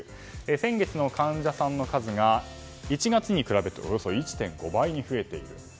先月の患者さんの数が１月に比べておよそ１．５倍に増えていると。